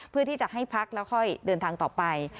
เพื่อที่จะให้พักแล้วค่อยเดินทางต่อไป